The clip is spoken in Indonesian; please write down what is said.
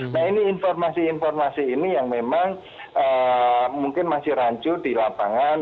nah ini informasi informasi ini yang memang mungkin masih rancu di lapangan